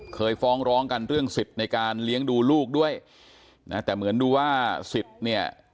เคยฟ้องร้องกันเรื่องสิทธิ์ในการเลี้ยงดูลูกด้วยนะแต่เหมือนดูว่าสิทธิ์เนี่ย